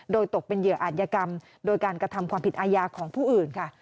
โดยตกเป็นเหยื่ออาจยกรรมโดยการกระทำความผิดอาญาของผู้อื่นค่ะ